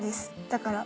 だから。